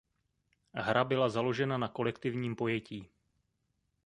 Hra byla založena na kolektivním pojetí.